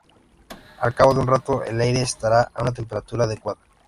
Al cabo de un rato, el aire estará a una temperatura adecuada.